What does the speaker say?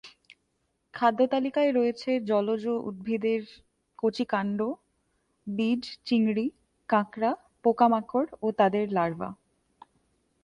খাদ্যতালিকায় রয়েছে জলজ উদ্ভিদের কচি কাণ্ড, বীজ, চিংড়ি, কাঁকড়া, পোকামাকড় ও তাদের লার্ভা।